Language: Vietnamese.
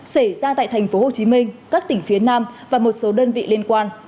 các tỉnh phố hồ chí minh các tỉnh phía nam và một số đơn vị liên quan